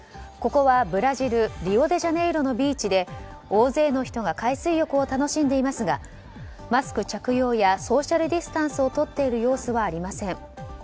ここは、ブラジルリオデジャネイロのビーチで大勢の人が海水浴を楽しんでいますがマスク着用やソーシャルディスタンスをとっている様子はありません。